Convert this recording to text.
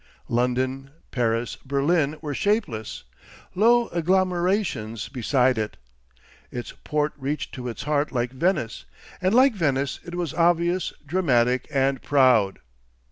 London, Paris, Berlin, were shapeless, low agglomerations beside it. Its port reached to its heart like Venice, and, like Venice, it was obvious, dramatic, and proud.